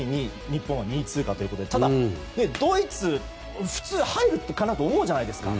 日本は２位通過ということでただ、ドイツは普通入るかなと思うじゃないですか。